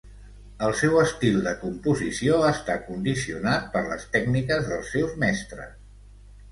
El seu estil de composició està condicionat per les tècniques dels seus mestres.